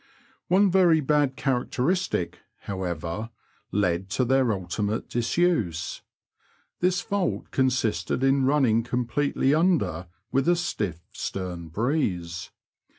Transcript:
One very bad characteristic, however, led to their ultimate disuse : this fkult consisted in running completely under with a stiff stem breeze.